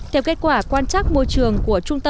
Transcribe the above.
theo kết quả quan sát môi trường của trung quốc